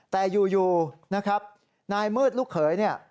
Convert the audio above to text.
แต่อยู่นะครับนายมืดลูกเขยเนี่ย